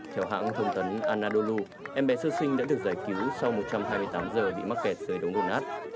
theo hãng thông tấn anadou em bé sơ sinh đã được giải cứu sau một trăm hai mươi tám giờ bị mắc kẹt dưới đống đổ nát